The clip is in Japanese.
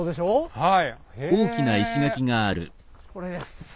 はい。